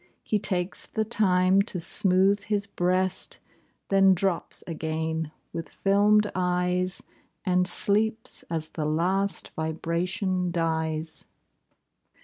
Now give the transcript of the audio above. He takes the time to smooth his breast. Then drops again with fdmed eyes, And sleeps as the last vibration dies.